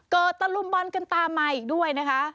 ตะลุมบอลกันตามมาอีกด้วยนะคะ